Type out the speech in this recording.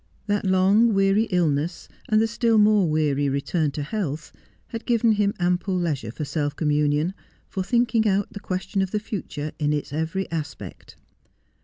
That long, weary illness, and the still more weary return to health, had given him ample leisure for self communion, for thinking out the question of the future in its every a3pect.